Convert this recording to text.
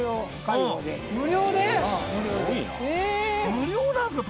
無料なんですか？